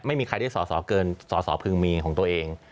ไม่มีใครได้สอสอเกินสอสอพึงมีของตัวเอง